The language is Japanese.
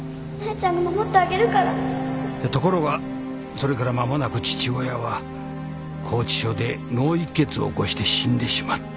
ところがそれから間もなく父親は拘置所で脳溢血を起こして死んでしまった。